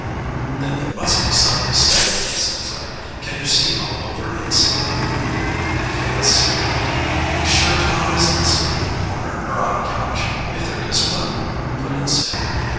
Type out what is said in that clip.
"Then there must be some mistake," said Fred. "Can you see all over inside?" "Yes." "Sure Tom isn't asleep in a corner or on a couch if there is one?" put in Sam.